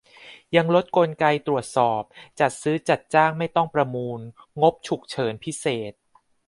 ยังลดกลไกตรวจสอบ จัดซื้อจัดจ้างไม่ต้องประมูล งบฉุกเฉินพิเศษ